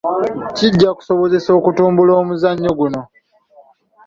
Kijja kusobozesa okutumbula omuzannyo guno.